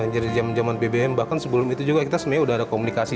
jadi zaman zaman bbm bahkan sebelum itu juga kita sebenarnya udah ada komunikasi